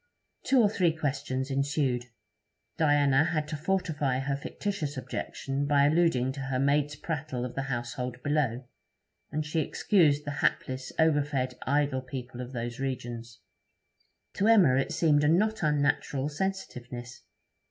Two or three questions ensued. Diana had to fortify her fictitious objection by alluding to her maid's prattle of the household below; and she excused the hapless, overfed, idle people of those regions. To Emma it seemed a not unnatural sensitiveness.